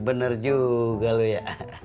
bener juga lo ya